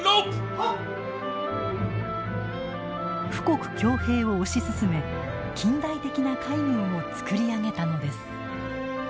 富国強兵を推し進め近代的な海軍を作り上げたのです。